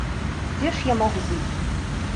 Дзе ж я магу быць?